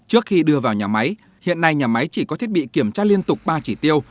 trước khi đưa vào nhà máy hiện nay nhà máy chỉ có thiết bị kiểm tra liên tục ba chỉ tiêu